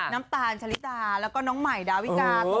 น้ำตาลชะลิดาแล้วก็น้องใหม่ดาวิกา